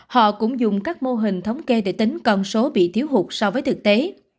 họ cũng dùng các mô hình thống kê để tính con số bị thiếu hụt so với thực tế